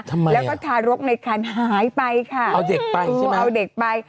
ทำไมแล้วก็ทารกในคันหายไปค่ะเอาเด็กไปใช่ไหมเอาเด็กไป